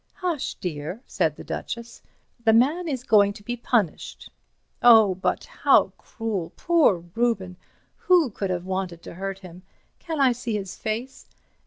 "Hush, dear," said the Duchess, "the man is going to be punished." "Oh, but—how cruel! Poor Reuben! Who could have wanted to hurt him? Can I see his face?"